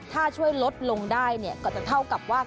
ถ้าช่วยลดลงได้ก็จะเท่ากับว่า